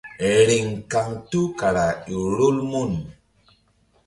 Riŋ kaŋto kara ƴo rol mun.